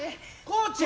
コーチ！